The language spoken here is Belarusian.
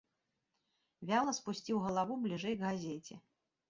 Вяла спусціў галаву бліжэй к газеце.